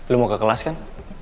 lo mau ke kelas kan